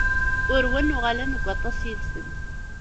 Urwen, uɣalen deg waṭas yid-sen.